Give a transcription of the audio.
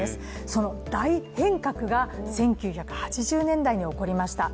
その大変革が、１９８０年代に起こりました。